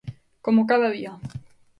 Como cada día.